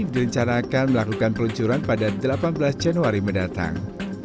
mencarakan melakukan peruncuran pada delapan belas januari mendatang